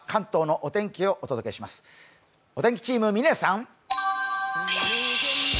お天気チーム、嶺さん。